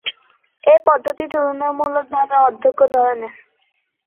এ পদ্ধতি তুলনামূলকভাবে অদক্ষ ধরনের।